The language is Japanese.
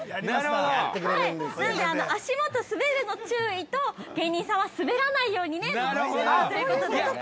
足元滑るの注意と、芸人さんはスベらないようにということで。